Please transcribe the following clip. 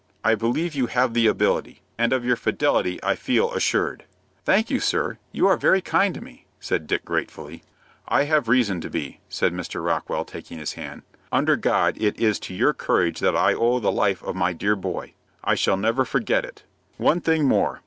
I believe you have the ability, and of your fidelity I feel assured." "Thank you, sir; you are very kind to me," said Dick, gratefully. "I have reason to be," said Mr. Rockwell, taking his hand. "Under God it is to your courage that I owe the life of my dear boy. I shall never forget it. One thing more.